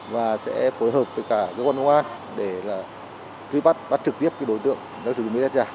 và sẽ phối hợp với cả cơ quan công an để là truy bắt bắt trực tiếp cái đối tượng đang sử dụng bế đất giả